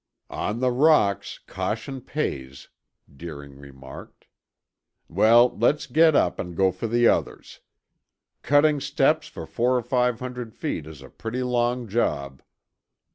"On the rocks caution pays," Deering remarked. "Well, let's get up and go for the others. Cutting steps for four or five hundred feet is a pretty long job."